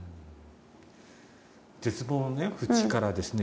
絶望の淵からですね